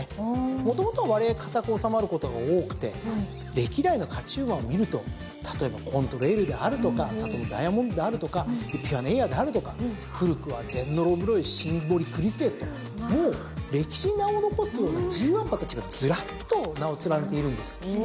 もともとは割合堅く収まることが多くて歴代の勝ち馬を見ると例えばコントレイルであるとかサトノダイヤモンドであるとかエピファネイアであるとか古くはゼンノロブロイシンボリクリスエスともう歴史に名を残すようなＧⅠ馬たちがずらっと名を連ねているんです。